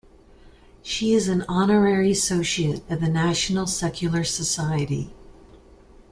She is an Honorary Associate of the National Secular Society.